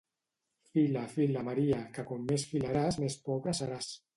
Fila, fila, Maria, que com més filaràs més pobra seràs.